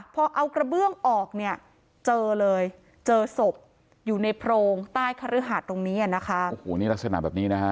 พอเอากระเบื้องออกเจอเลยเจอศพอยู่ในโพรงใต้คระฮาดตรงนี้